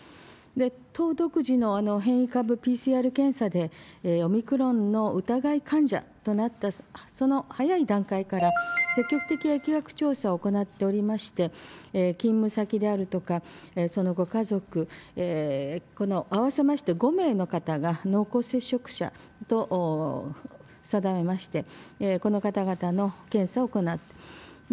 都独自の変異株ＰＣＲ検査でオミクロンの疑い患者となった、その早い段階から、積極的な疫学調査を行っておりまして、勤務先であるとか、そのご家族、合わせまして５名の方が、濃厚接触者と定めまして、この方々の検査を行う。